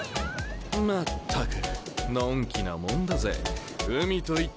全くのんきなもんだぜ海といったら。